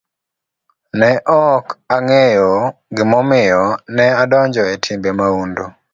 Ne ok ang'eyo gimomiyo ne adonjo e timbe mahundu.